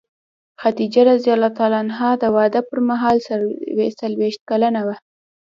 خدیجه رض د واده پر مهال څلوېښت کلنه وه.